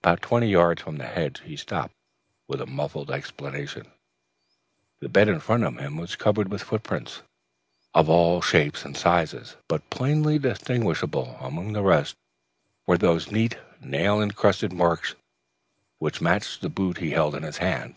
About twenty yards from the hedge, he stopped with a muffled exclamation. The bed in front of him was covered with footprints of all shapes and sizes; but plainly distinguishable among the rest were the neat nail encrusted marks which matched the boot he held in his hand.